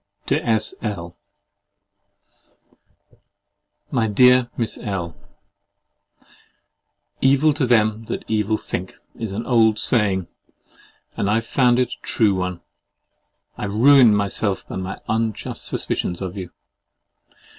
TO S. L. My dear Miss L——, EVIL TO THEM THAT EVIL THINK, is an old saying; and I have found it a true one. I have ruined myself by my unjust suspicions of you.